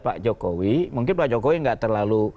pak jokowi mungkin pak jokowi nggak terlalu